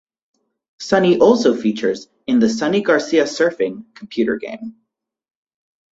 Sunny also features in the 'Sunny Garcia Surfing' computer game.